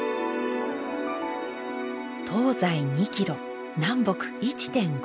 東西２キロ南北１．５キロ。